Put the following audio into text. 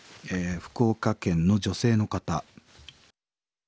福岡県の女性の方。